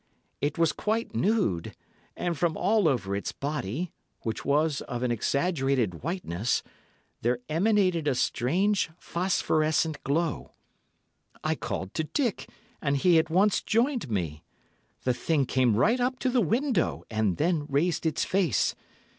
It was quite nude, and from all over its body, which was of an exaggerated whiteness, there emanated a strange, phosphorescent glow. I called to Dick, and he at once joined me. The Thing came right up to the window, and then raised its face.